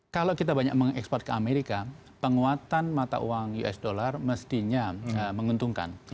kalau kita banyak mengekspor ke amerika penguatan mata uang us dollar mestinya menguntungkan